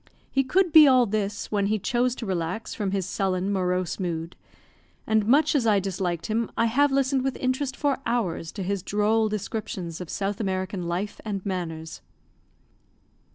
He could be all this, when he chose to relax from his sullen, morose mood; and, much as I disliked him, I have listened with interest for hours to his droll descriptions of South American life and manners.